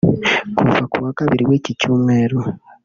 Kuva kuwa Kabiri w’iki cyumweru